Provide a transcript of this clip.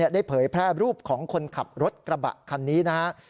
เผยแพร่รูปของคนขับรถกระบะคันนี้นะครับ